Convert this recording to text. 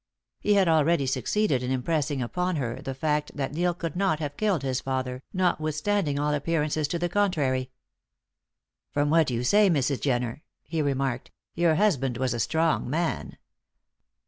He had already succeeded in impressing upon her the fact that Neil could not have killed his father, notwithstanding all appearances to the contrary. "From what you say, Mrs. Jenner," he remarked, "your husband was a strong man.